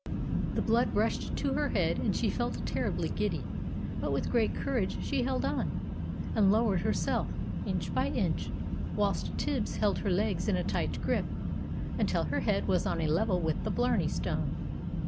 The blood rushed to her head, and she felt terribly giddy, but with great courage she held on, and lowered herself, inch by inch, whilst Tibbs held her legs in a tight grip, until her head was on a level with the Blarney Stone.